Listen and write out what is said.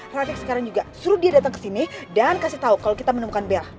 om radix sekarang juga suruh dia datang kesini dan kasih tau kalo kita menemukan bella